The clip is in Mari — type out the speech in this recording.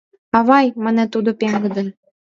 — Авай, — мане тудо пеҥгыдын.